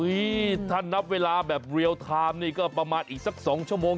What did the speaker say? ถ้านับเวลาแบบเรียลไทม์นี่ก็ประมาณอีกสัก๒ชั่วโมง